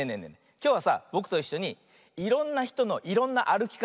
きょうはさぼくといっしょにいろんなひとのいろんなあるきかたをやってみよう。